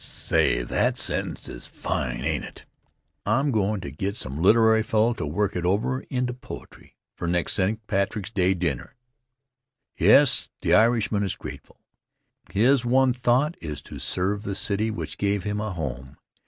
Say, that sentence is fine, ain't it? I'm goin' to get some literary feller to work it over into poetry for next St. Patrick's Day dinner. Yes, the Irishman is grateful. His one thought is to serve the city which gave him a home.